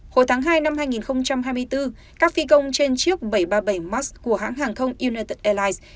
hồi tháng hai năm hai nghìn hai mươi bốn các phi công trên chiếc bảy trăm ba mươi bảy max của hãng hàng không united airlines